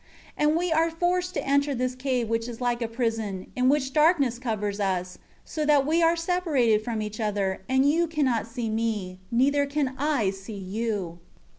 4 And we are forced to enter this cave which is like a prison, in which darkness covers us, so that we are separated from each other; and you can not see me, neither can I see you."